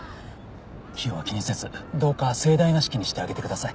費用は気にせずどうか盛大な式にしてあげてください。